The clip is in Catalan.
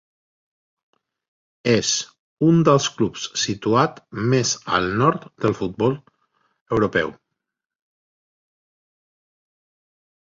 És un dels clubs situat més al nord del futbol europeu.